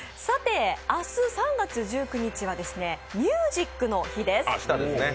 さて、明日、３月１９日はミュージックの日です。